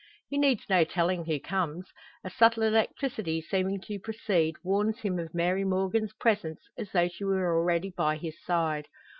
He needs no telling who comes. A subtle electricity, seeming to precede, warns him of Mary Morgan's presence, as though she were already by his side.